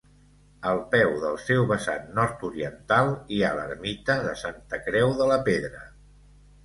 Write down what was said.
Al peu del seu vessant nord-oriental hi ha l'ermita de Santa Creu de la Pedra.